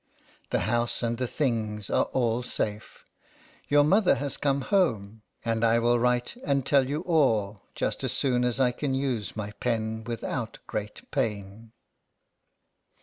The house and the things are all safe; your mother has come home ; and I will write, and tell you all, just as soon as I can use my pen without great pain.